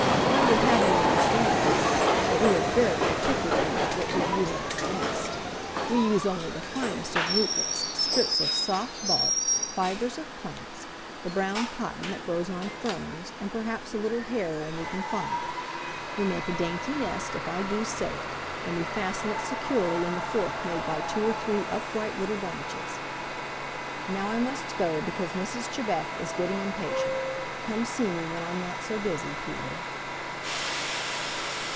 I would have you understand, Peter, that we are very particular about what we use in our nest. We use only the finest of rootlets, strips of soft bark, fibers of plants, the brown cotton that grows on ferns, and perhaps a little hair when we can find it. We make a dainty nest, if I do say it, and we fasten it securely in the fork made by two or three upright little branches. Now I must go because Mrs. Chebec is getting impatient. Come see me when I'm not so busy Peter."